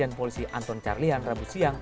dan ketua polisi anton carlyan rabu siang